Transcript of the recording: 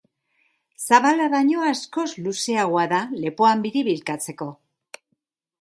Zabala baino askoz luzeagoa da, lepoan biribilkatzeko.